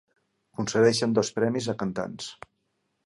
Concedeixen dos premis a cantants.